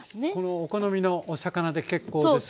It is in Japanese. お好みのお魚で結構です。